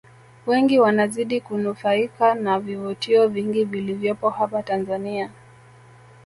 Wengi wanazidi kunufaika na vivutio vingi vilivyopo hapa Tanzania